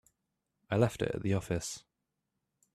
I left it at the office.